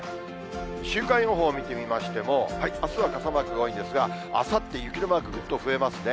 週間予報を見てみましても、あすは傘マークが多いんですが、あさって、雪のマークぐっと増えますね。